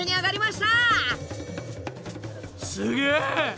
すげえ！